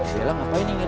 bisa lah ngapain nih